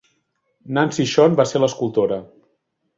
Nancy Schon va ser l'escultora.